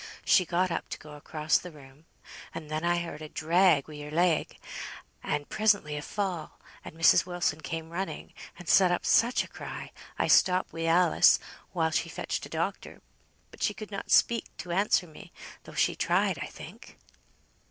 She got up to go across the room, and then I heard a drag wi' her leg, and presently a fall, and Mrs. Wilson came running, and set up such a cry! I stopped wi' Alice, while she fetched a doctor; but she could not speak, to answer me, though she tried, I think."